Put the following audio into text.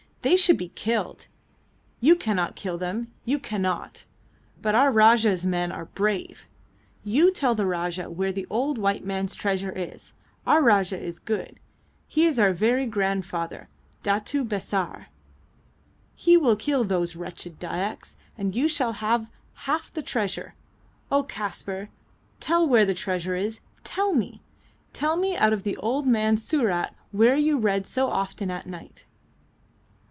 They should be killed. You cannot kill them, you cannot; but our Rajah's men are brave! You tell the Rajah where the old white man's treasure is. Our Rajah is good! He is our very grandfather, Datu Besar! He will kill those wretched Dyaks, and you shall have half the treasure. Oh, Kaspar, tell where the treasure is! Tell me! Tell me out of the old man's surat where you read so often at night."